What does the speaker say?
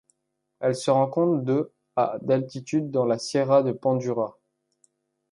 Elle se rencontre de à d'altitude dans la sierra de Panduras.